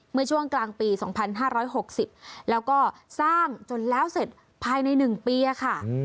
เมื่อช่วงกลางปีสองพันห้าร้อยหกสิบแล้วก็สร้างจนแล้วเสร็จภายในหนึ่งปีอะค่ะ